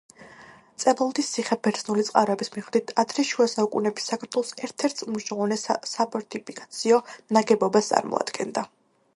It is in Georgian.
წებელდის ციხე, ბერძნული წყაროების მიხედვით ადრე შუა საუკუნეების საქართველოს ერთ-ერთ უმნიშვნელოვანეს საფორტიფიკაციო ნაგებობას წარმოადგენდა.